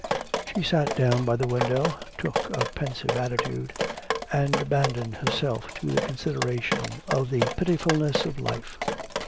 She sat down by the window, took a pensive attitude, and abandoned herself to the consideration of the pitifulness of life.